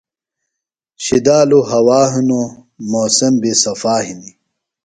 شِدالُوۡ ہوا ہِنوۡ موسم بیۡ صفا ہِنیۡ۔